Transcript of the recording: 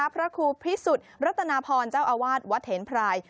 พระครูพิสุทธิ์รัตนาพรเจ้าอาวาสวัดเถนพราย